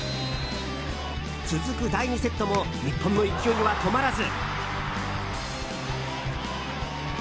続く第２セットも日本の勢いは止まらず。